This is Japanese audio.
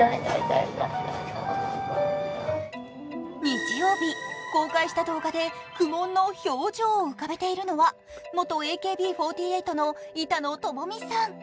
日曜日、公開した動画で苦もんの表情を浮かべているのは元ＡＫＢ４８の板野友美さん。